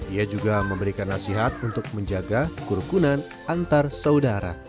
ia juga memberikan nasihat untuk menjaga kerukunan antar saudara